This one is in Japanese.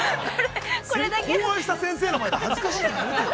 ◆考案した先生の前で恥ずかしいって言うの、やめてよ。